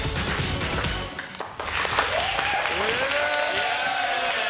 イエーイ！